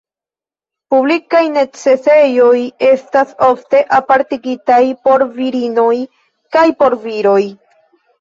Publikaj necesejoj estas ofte apartigitaj por virinoj kaj por viroj.